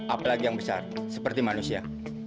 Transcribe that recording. apalagi yang besar seperti manusia